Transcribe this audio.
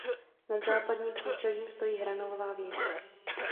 Nad západním průčelím stojí hranolová věž.